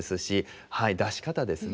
はい出し方ですね。